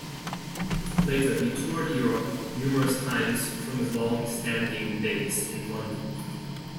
Later, he toured Europe numerous times from his long-standing base in London.